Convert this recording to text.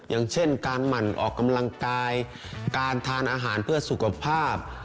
อย่างเช่นการหมั่นออกกำลังกายการทานอาหารเพื่อสุขภาพ